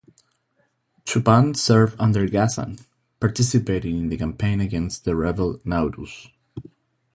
Chupan served under Ghazan, participating in the campaign against the rebel Nauruz.